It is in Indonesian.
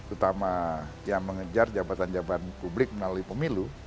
utama yang mengejar jabatan jabatan publik melalui pemilu